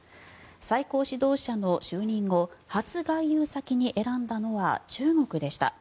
最高指導者の就任後初外遊先に選んだのは中国でした。